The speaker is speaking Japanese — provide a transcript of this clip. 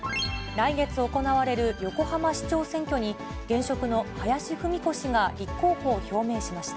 来月行われる横浜市長選挙に、現職の林文子氏が立候補を表明しました。